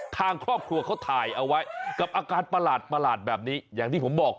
ทางครอบครัวเขาถ่ายเอาไว้กับอาการประหลาดแบบนี้อย่างที่ผมบอก